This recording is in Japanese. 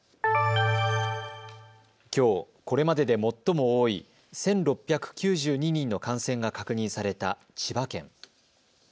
きょう、これまでで最も多い１６９２人の感染が確認された千葉県。